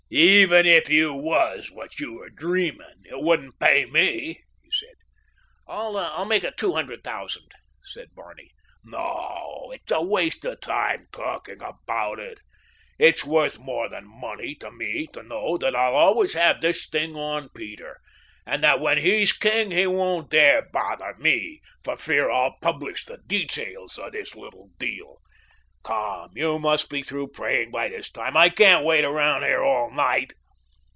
"Even if you was what you are dreaming, it wouldn't pay me," he said. "I'll make it two hundred thousand," said Barney. "No—it's a waste of time talking about it. It's worth more than money to me to know that I'll always have this thing on Peter, and that when he's king he won't dare bother me for fear I'll publish the details of this little deal. Come, you must be through praying by this time. I can't wait around here all night."